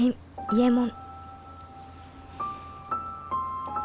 「伊右衛門」